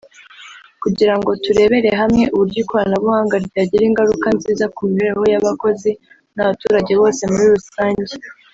kugira ngo turebere hamwe uburyo ikoranabuhanga ryagira ingaruka nziza ku mibereho y’abakozi n’abaturage bose muri rusange